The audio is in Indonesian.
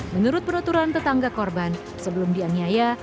menurut peraturan tetangga korban sebelum dianyaya